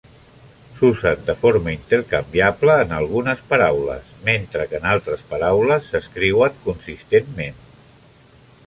S'usen de forma intercanviable en algunes paraules, mentre que en altres paraules s'escriuen consistentment.